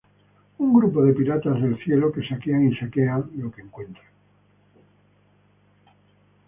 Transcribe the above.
Un grupo de piratas del cielo que saquean y saquean lo que encuentren.